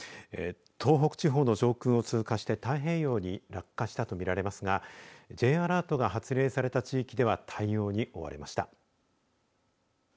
東北地方の上空を通過して太平洋に落下したと見られますがＪアラートが発令された地域では対応に追われました。